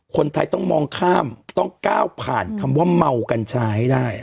คนไทยต้องมองข้ามต้องก้าวผ่านคำว่าเมากัญชาให้ได้